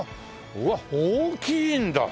うわっ大きいんだ！